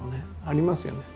ありますよね。